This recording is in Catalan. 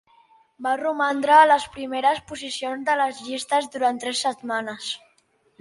Va romandre a les primeres posicions de les llistes durant tres setmanes.